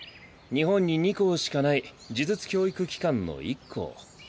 日本に２校しかない呪術教育機関の１校。